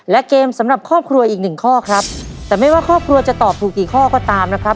และเกมสำหรับครอบครัวอีกหนึ่งข้อครับแต่ไม่ว่าครอบครัวจะตอบถูกกี่ข้อก็ตามนะครับ